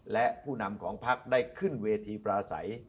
และผู้นำของพักได้ขึ้นเวทีปราศัย